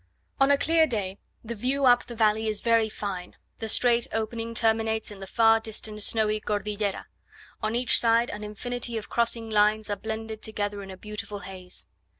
On a clear day the view up the valley is very fine; the straight opening terminates in the far distant snowy Cordillera; on each side an infinity of crossing lines are blended together in a beautiful haze.